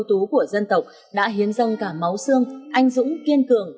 những người con ưu tố của dân tộc đã hiến dâng cả máu xương anh dũng kiên cường